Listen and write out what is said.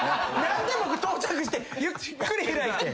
何で僕到着してゆっくり開いて。